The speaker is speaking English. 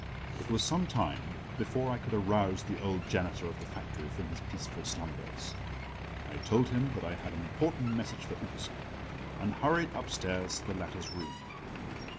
It was some time before I could arouse the old janitor of the factory from his peaceful slumbers. I told him that I had an important message for Outzen, and hurried upstairs to the latter's room.